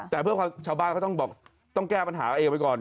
แต่ชาวบ้านเขาต้องแก้ปัญหาเองไปก่อน